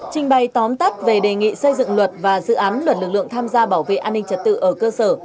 trình bày tóm tắt về đề nghị xây dựng luật và dự án luật lực lượng tham gia bảo vệ an ninh trật tự ở cơ sở